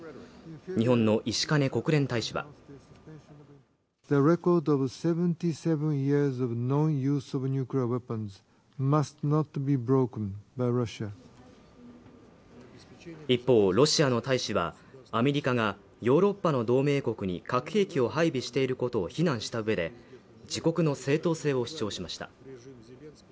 日本の石兼国連大使は一方、ロシアの大使は、アメリカがヨーロッパの同盟国に核兵器を配備していることを非難した上で、自国の正当性を主張しました。